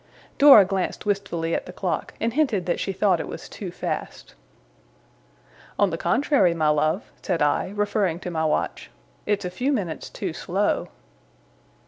Dora glanced wistfully at the clock, and hinted that she thought it was too fast. 'On the contrary, my love,' said I, referring to my watch, 'it's a few minutes too slow.